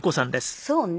そうね。